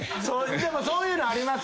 でもそういうのありますよね。